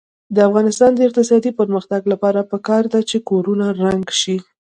د افغانستان د اقتصادي پرمختګ لپاره پکار ده چې کورونه رنګ شي.